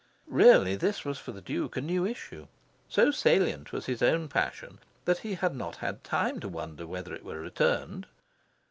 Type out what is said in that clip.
Really, this was for the Duke a new issue. So salient was his own passion that he had not had time to wonder whether it were returned.